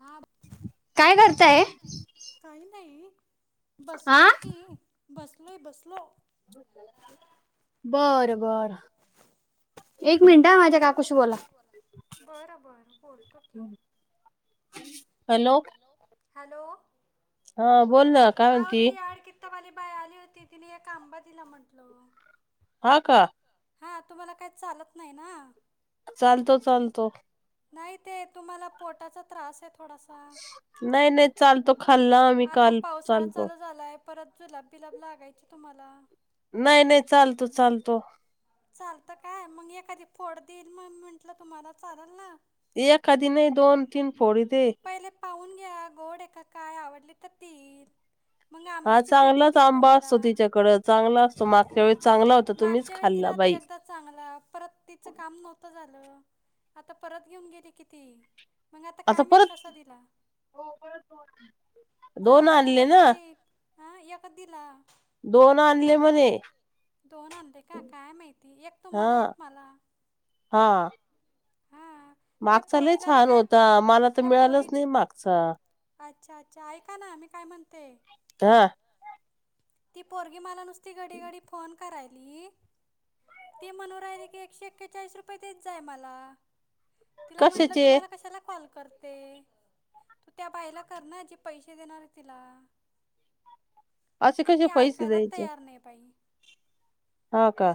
हा काय करताय काही नाही हा बसलोय की बसलोय बसलो बरं बर एक मिनिट ह माझ्या काकूशी बोला भरबोलत की हॅलो हॅलो हा बोल ना काय म्हणती बाय आली होती तिने एक आंबा दिला म्हटल हा का हा तुम्हाला काही चालत नाही ना? चालतो, चालतो. नाही ते तुम्हाला पोटाचा त्रास आहे थोडासा. नाही नाही चालतो खाल्ला आम्ही आता काल पावसाळा चालतो चालू झालाय परत जुलाब बिलाब लागायचे तुम्हांला नाही-नाही, चालतो-चालतो. चालत काय मग एखादी फोड देन मग म्हंटलं तुम्हांला चालल ना एक आधीने दोन तीन फोडी दे पहिले पाहून घ्या गोड आहे काय आवडले तर देईल. मग हा आंब्याची पेटी चांगलाच देईल आंबा तुम्हाला असतो तिच्याकड चांगला असतो मागच्या वेळी चांगला होता तुम्हीच मागच्या वेळी खाल्ला दिला ते बाई एकदा चांगला परत तिचं काम नव्हतं झालं. आता परत घेऊन गेली किती. मग आता काय माहीत परत, कसा दिला दोन आणले ना. हा एकच दिला. दोन आणले म्हणे. दोन आणले का काय माहिती एक हा तुम्हांला, एक मला. हा हां त्या मागचा लई पोरीला ल छान काय होता मला तर त्या मिळालंच पोरीची नाही मागचा. अच्छा, अच्छा ऐका ना मी काय म्हणते? हा. ती पोरगी मला नुसती घडी-घडी फोन करायली. ती म्हणून राहिली की एकशे एक्केचाळीस रुपये देत जाय मला. तिला म्हटलं तू कशाचे मला कशाला कॉल करते? त्या बाईला कर ना जी पैसे देणार आहे तिला. असे तर कसे ती पैसे ऐकायलाच द्यायचे? तयार नाही बाई हा का.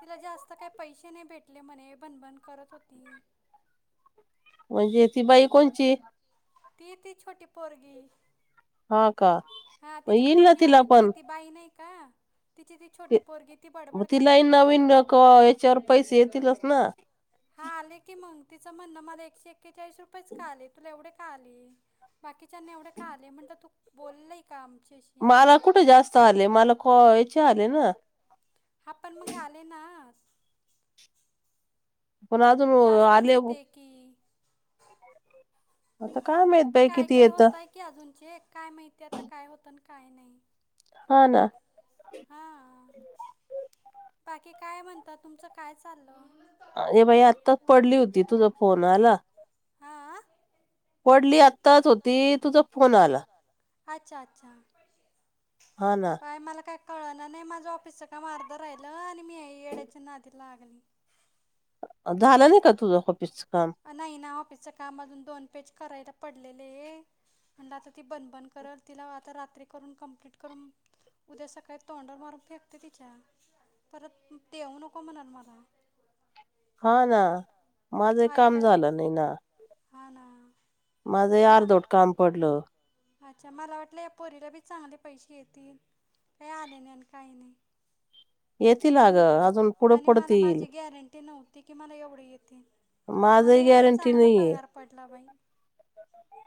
तिला जास्त काही पैसे नाही भेटले म्हणे भनभन करत होती. म्हणजे ती बाई कोणची. ती ती छोटी पोरगी. हा का हां मग तिची येईल ना पोरगी आली तिला होती पण. ती बाई नाही का तिची ती छोटी पोरगी ती बडबड करत तिलाही होती नवीन याच्यावर पैसे येतीलच ना. हा आले कि मग तिचं म्हणण मला एकशे एक्केचाळीस रुपयेच का आले तुला एवढे. का आली बाकीच्यांना एवढे का आले म्हटलं तू बोललय का. आमच्याशी मला कुठे जास्त आले मला खो याचे आले ना. हा पण मग आले ना. पण अजून जास्तच आले. येते की आता काय माहित बाई काय किती काय येतं? होतंय की अजून चेक काय माहितीय आता काय होतं आणि काय नाही. हा ना. हां बाकी काय म्हणतात, तुमचं काय चाललं? ए बाई आत्ताच पडली होती तुझ फोन आला. हां पडली आत्ताच होती, तुझं फोन आला. अच्छा अच्छा, हा ना बाय मला काय. कळना नाही माझं ऑफिसच काम अर्ध राहिलं आणि मी येड्याच्या नादी लागली. [inaudible] झालं नाही का तुझं काम नाही ना ऑफिसच्या काम अजून दोन पेज करायला. पडलेले म्हणलं आता ती भन-भन करल तिला आता रात्री करून कंप्लीट करून. उद्या सकाळी तोंड मारून फेकते तिच्या परत देऊ नको म्हणल मला. हा ना माझंही काम ऐकायला झालं नाही ना. हा ना. माझं ही मा अर्धवट काम पडलं. अच्छा! मला वाटलं या पोरीला बी चांगले पैसे येतील काही आले नाही, आणि काही नाही. येतील अ आणि गं अजून पुढे आणि पुडतील मला येईल. माझी गॅरंटी नव्हती की मला एवढी येते मला यावेळी गॅरंटी चांगला नाहीये पगार पडला बाई.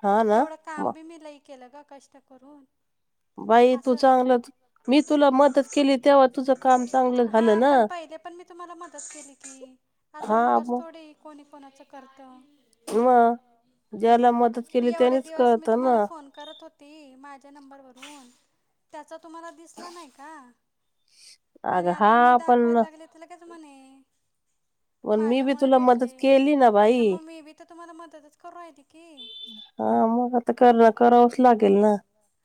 हा ना तेवढं म- काम बी मी लई केलं ग कष्ट करून. [inaudible] बाई तू असं चांगलंचं मी तुला मदत केली तेव्हा तुझं काम चांगलं हा झालं ना. पण पहिले पण मी तुम्हाला मदत केली की असं हा उगच थोडे कोणी कोणाचं करतं. वा जाला हा मदत. केली एवढे त्यानेच दिवस मी कळत ना तुम्हाला फोन करत होती माझ्या नंबरवररून. त्याचा तुम्हाला दिसला नाही का. अग आणि हा आता मी दाखवायला पण लागले लगेच म्हणे. पण मी माझ्या बी मुळे तुला मदत भेटले केली ना बाई मग मी बी तर तुम्हाला मदतचं करू राहले की. हा मग आता करावच लागेल ना.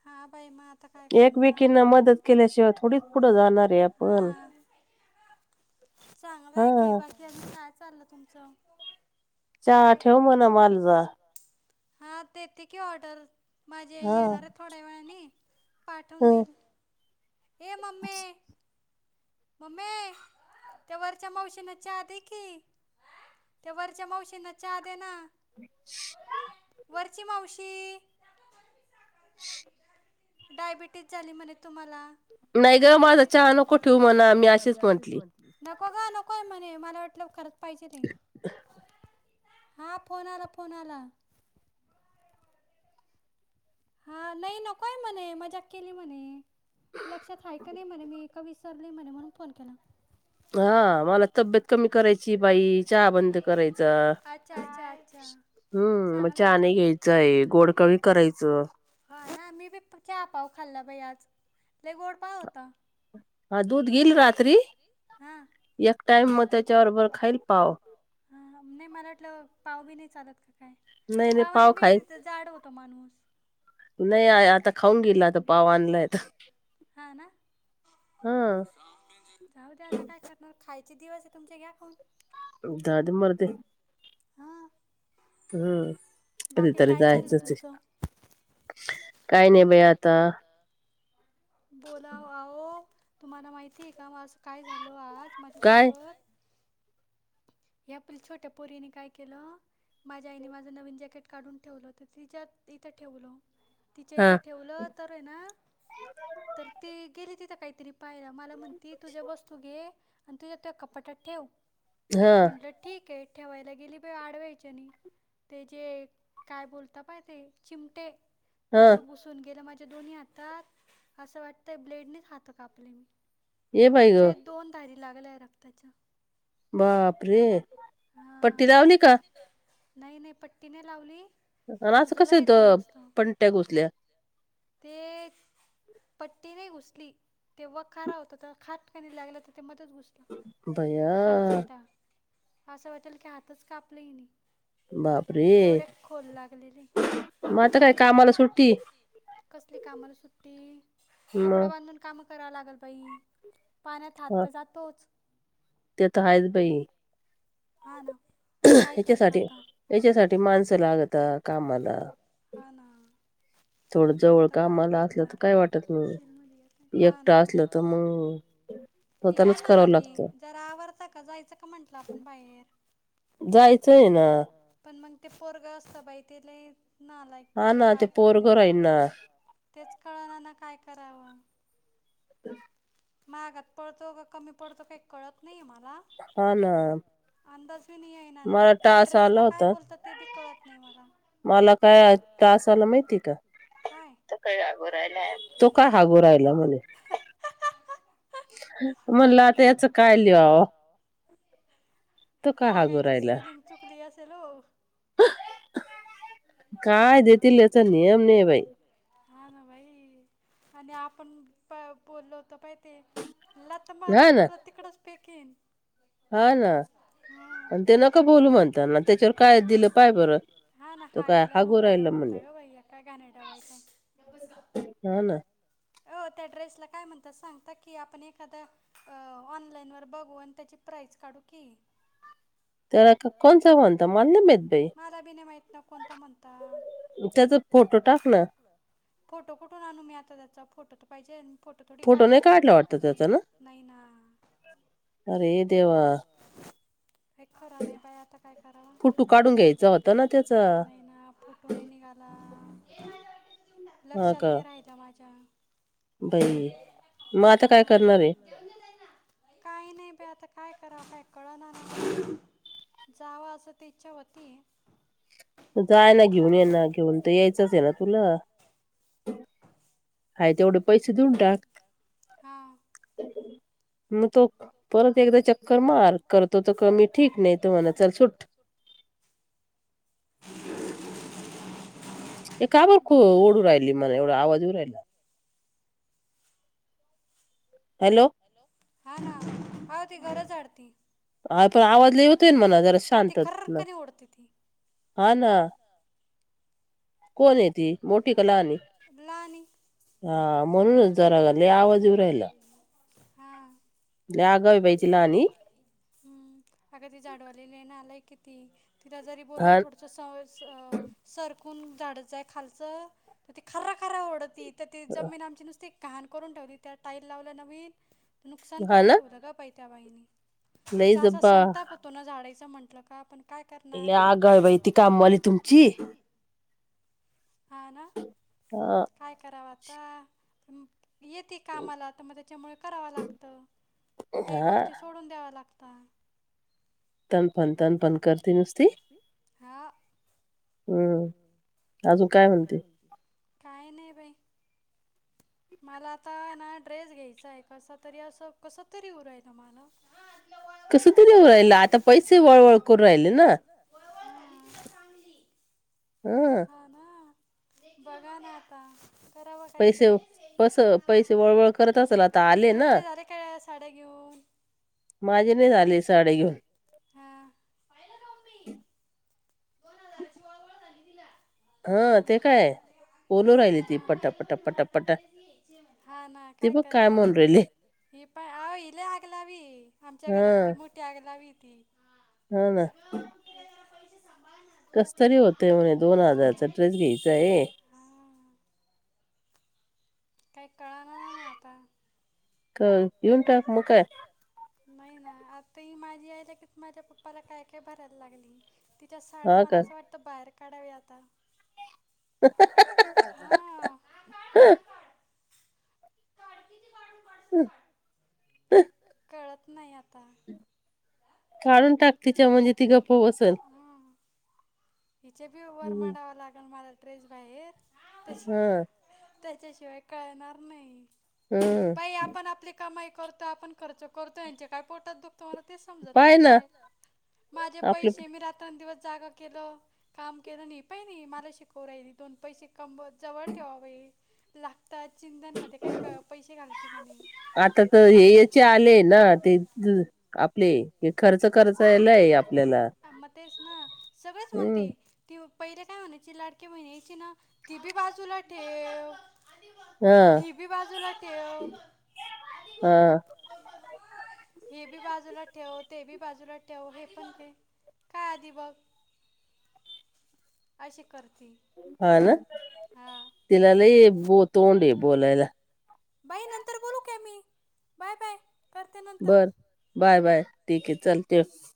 हा, बाई म आ ता काय करणार एकमेकींना मदत केल्याशिवाय केल्या थोडीच शिवाय पुढे कोणीचं पुढं आहे जाणार आपण नाही, हा. चांगलं हा आहे की, बाकी आणि काय चाललंय तुमचं? चहा ठेव म्हण, मालू जा. हा, देते की ऑर्डर माझी आई हा येणार आहे, थोड्या वेळानी. पाठवून हं. दिल, ए मम्मे. मम्मे त्या वरच्या मावशी न चहा दे की, त्या वरच्या मावशींना चहा दे ना. [unintelligible] वरची मावशी. [unintelligible] डायबिटीस झाली म्हणे तुम्हाला? नाही गं माझा चहा नको ठेवू म्हणा, मी अशीच म्हंटली. नगं नकोय म्हणे, मला वाटलं खरच पाहिजेल ये. हा, फोन आला फोन आला. हा, नाही नकोय म्हणे मजाक केली म्हणे. लक्षात हाय का नाही म्हणे, मी का विसरली म्हणे म्हणून फोन केला. हा, मला तब्येत कमी करायची बाई चहा बंद करायचा. अच्छा अच्छा अच्छा हम्म, मग चांगलं आहे चहा नाही चांगलं घ्यायचं आहे, गोड कमी करायचं. ह ह मी बी चहा, पाव खाल्ला बाई आज. लय गोड पाव होता हा, दूध घेईल रात्री हां एक टाइम मग, त्याच्या बरोबर खाईल पाव. हा, नाही मला वाटलं पाव बी नाही चालत का? काय नाही नाही, पावाने पाव बी खाईल जाड होतो माणूस नाही आय आता. खाऊन घेईल आता पाव आणलाय तर. हा ना, जाऊ द्या आता काय करणार? खायचे दिवस आहे, तुमचे घ्या खाऊन. जाऊ दे मरू दे. हा. हम्म, कधीतरी चाललं जायचंच ये. तुमचं काय नाही, बाई आता. बोला, आहो आहो तुम्हाला माहितीय का म काय झालं आज? माझ्या काय सोबत. या आपल छोट्या पोरीन काय केेलं. माझ्या आईने माझं नवीन जॅकेट काढून ठेवलं तर, तिच्यात इथं ठेवलं. तिच्या हा इथे ठेवलं तर आहे ना तर त गेली तिथं काहीतरी. पाहिला मला म्हणती तुझ्या वस्तू घे आणि तुझ्या त्या कपाट्यात ठेव. हा म्हटलं ठीक आहे ठेवायला गेली बाई आडव्याच्यानी. ते जे काय बोलता, बा ते चिमटे. ते हा असं घुसून गेलं माझ्या दोन्ही हातात, असं वाटतंय ब्लेडनेचं हात कापलेय मी. ये बाई ग शेत दोन धारी लागल्याय रक्ताच्या. बापरे! पट्टी हां लावली का? नाही नाही, पट्टी नाही लावली. आणि असं कसं सुजलंय ते इथं मस्त पट्टया घोसल्या? ते पट्टी नाही घुसली ते वखारा होता, खाटकाणी लागला ते मधेचं घुसलं भैया खर्चटा असं वाटेल की, हातचं कापले हेनी. बापरे! लागलेले म आता काय कामाला सुट्टी? कसली कामाला सुट्टी कपडा मग बांधून काम कराव लागलं बाई. पाण्यात हात हा तर जातोच. ते तर हायच बाई. हां ना. काय करता हच्यासाठी आता हच्यासाठी माणसं लागत कामाला. हा ना. थोडं जवळ कामाला असलं तर काय वाटत नाही एकटं असलं तर [unintelligible] [inaudible] मी काय करावं म्हणाली लागतं जरा आवरता का जायचं का म्हंटलं आपण बाहेर. जायचंय ना. पण मग ते पोरग असता बाई ते लई हा ना ते पोरगं राहीन ना. तेच कळणा ना काय करावं. [inaudible] माहगात पडतो का कमी पडतो काही कळत नाही मला. हा ना आ, आंदाज घेऊन याय [unintelligible] मला त्या टास ड्रेस आला ला काय होता बोलतात ते कळत नाही मला, मला काय टास आला माहिती का काय? तो काय हागो राहिला म्हणे. म्हणला आता याच काय [unintelligible] तो काय हागू हागायची राहिला स्पेलिंग चुकली असेल हो. काय देतील याचा नियम नाही बाई हा ना भाई. आणि आपण [unintelligible] लाता हा मारिन ना तुला तिकडच फेकीन. हा ना. हा आणि ते नका बोलू म्हणताना त्याच्यावर काय दिलं पाहा बर तो का. [unintelligible] ओ त्या हा ना ड्रेसला काय म्हणतात सांगता की आपण एखादा ऑनलाईन वर बघू आणि त्याची प्रईज काढू की. [inaudible] त्याला का- [unintelligible] कोणचा म्हणता मला नाही माहित बाई मला बी नाही माहित ना कोणतं म्हणत. त्याचा फोटो टाक ना. चा फोटो तर पाहिजे. फोटो नाही काढला वाटतं त्याचा ना अरे [unintelligible] देवा. फोटो काढून घ्यायचा होता ना त्याचा [unintelligible] कुठ निघाला लक्षात नाही राहिलं माझ्या. हम्म, मग आता काय करणार आहे. काही नाही आता काय कराव काय कळणा. [unintelligible] जाव असं ते इच्छा व्हती. जाय ना घेऊन येना घेऊन तर यायचंच आहे ना तुला. हाय तेवढे पैसे देऊन टाक, हा मग तो परत एकदा चक्कर मार करतो तर क मी ठीक नाही त म्हणा चल सुट. [inaudible] ए का बर ख बघता ओढू राहिली मणा एवढा आवाज येऊ राहिला. हॅलो हा ना [unintelligible] ह पण आवाज लई होतोय मणा जरा हा ती शांत ना. खरकनी ओढते ती हा ना. कोण आहे ती मोठी कला आणि लहानी हा म्हणूनच. [unintelligible] आवाज इवरायला. हा ती लहानी हम्म अग ती झाडवाली लई नालायक हाय ती. तिला जरी बोलो हा [unintelligible] सर खून झाडचय खालचं ती खरं खरं ओरडती तर ती जमीन आमची नुसती हा ना [unintelligible] लई तिचा असा जब्बा संताप होतो ना झाडाचा म्हटलं का आपण. हे आगं बाई ती कामवाली तुमची हा ना. हा काय कराव - - येते कामाला तर मग त्याच्यामुळे करावं लागत. काही हा. गोष्टी सोडून द्याव लाग - - तनफन तनफन करते नुसती [unintelligible] हावं. हम्म. अजून काय म्हणते काय? नाही बाई. [inaudible] मला आता ना ड्रेस घ्यायचा हाय. कसा तरी असं कसं तरी उरायचं मला. कसं तरीऊ राहिल आता पैसे वळवळ करू राहिले ना. चांगली. हम. बघा ना आता करावं काहीतरी. कस पैसे वळवळ करत असल आता आले ना. तुमचे झाले काय साड्या घेऊन माजे नही झाले साडी घेऊन. हा हा ते काय पोलो राहिली ती पटापटा पटापटा - हा ना - ते ब काय करताय मन राहिले. ही पण अ हिला आगलावी आमच्या घरातली हा मोठी आगलावी. हा ना. कस तरी होतय म्हणे दोन हा हजारचा ड्रेस घ्यायचा आहे हा काही कळना ना ना आता. का येेऊन टाक म काय. नाही ना आता ही माझी आईला की माझ्या पप्पाला काय काय भरायला लागली. तिच्या साड्या हा मला का असं वाटतं बाहेर काढाव्या आता. हा [unintelligible] [unintelligible] काय कळत नाही आ - - काळून टाक तिच्या म्हणजे ती गप्प बसल. हं हिचे बी वर हम्म, मडावं लागेल मला त्रेश बाहेर त्याच हम्म. त्याच्याशिवाय कळणार नाही. हम्म बाई आपण आपली कामाई करतोय. आपण खर्च करतो यांचे काय पोटात दुख- - मला ते समजत पाय नाही ना काय. माझे आपले पैसे मी रात्र दिवस - - जाग केलं काम केलं नाही पहि नाही मला शिकव राहिली दोन पैसे कमवत जवळ ठेवावे. लागतात. चिंतनमध्ये काय कम - - आता तर हे याचे आले ना ते आपले कि खर्च खर्चयलाय आपल्याला. मग तेच ना सगळेच हम्. म्हणते ती पहिले काय म्हणायची लाडकी बहिण यायची ना ती बी बाजूला ठेव. हा हे बी बाजूला ठेव. हा हे बी बाजूला ठेव. ते बी बाजूला ठेव हे पण ते, काय आधी बघ. आशीक - - हा ना तिला लई बो तोंड हाय बोलायला. बाई नंतर बोलू काय मी? Bye, bye. करते नंतर बर बाय, बाय ठीक केय चल ठेव.